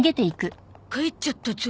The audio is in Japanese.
帰っちゃったゾ。